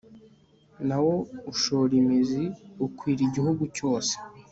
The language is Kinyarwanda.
na wo ushora imizi, ukwira igihugu cyose